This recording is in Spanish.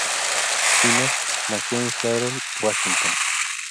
Zimmer nació en Seattle, Washington.